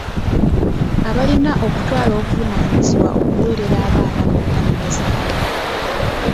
Abalina okutwala obuvunaanyizibwa okuwerera abaana bonna be bazaala.